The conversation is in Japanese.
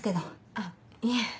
あっいえ。